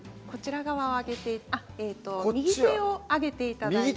右手を上げていただいて。